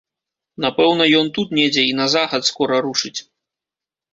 Напэўна, ён тут недзе і на захад скора рушыць.